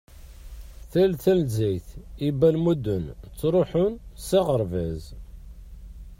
Tal tanezzayt, ibalmuden ttruḥun s aɣerbaz.